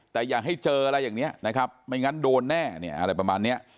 แต่อย่าให้เจออะไรอย่างนี้นะครับไม่งั้นโดนแน่เนี่ยอะไรประมาณเนี้ย